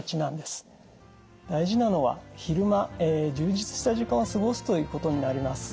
大事なのは昼間充実した時間を過ごすということになります。